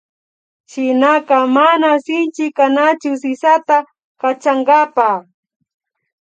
Shinaka mana sinchi kanachu sisata kachankapa